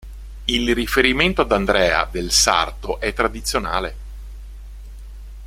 Il riferimento ad Andrea del Sarto è tradizionale.